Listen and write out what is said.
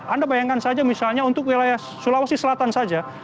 anda bayangkan saja misalnya untuk wilayah sulawesi selatan saja